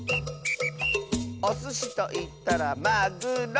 「おすしといったらまぐろ！」